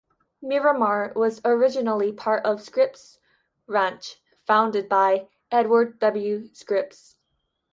Miramar was originally part of Scripps Ranch, founded by Edward W. Scripps.